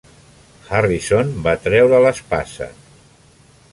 Harrison va treure l'espasa.